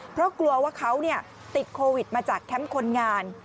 เพราะกลัวว่าเขาติดโควิดมาจากแคมป์คนงาน